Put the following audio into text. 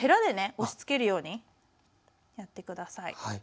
押しつけるようにやって下さい。